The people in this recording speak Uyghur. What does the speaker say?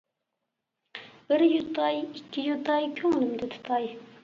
بىر يۇتاي ئىككى يۇتاي، كۆڭلۈمدە تۇتاي.